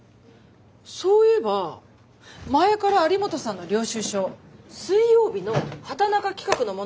そういえば前から有本さんの領収書水曜日の畑中企画のものが結構あるんです。